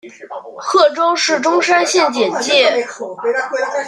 贺州市钟山县简介